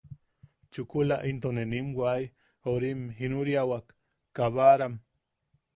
Chukula, into ne nim wai... orim jinuriawak... kabaram.